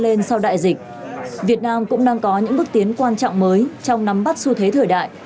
lên sau đại dịch việt nam cũng đang có những bước tiến quan trọng mới trong nắm bắt xu thế thời đại